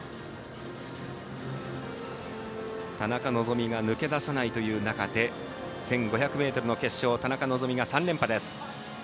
田中希実が抜け出さないという中で１５００ｍの決勝田中希実が３連覇です。